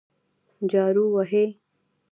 جارو وهي.